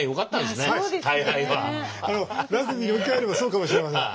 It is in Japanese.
ラグビーに置き換えればそうかもしれません。